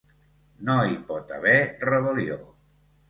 No hi pot haver rebel·lió.